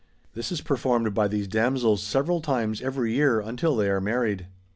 This is performed by these damsels several times every year until they are married.'